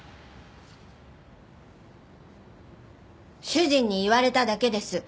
主人に言われただけです。